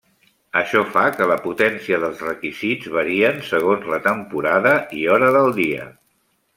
Això fa que la potència dels requisits varien segons la temporada i l'hora del dia.